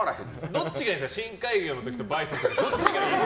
どっちがいいですか深海魚の時とバイソンの時とどっちがいいの？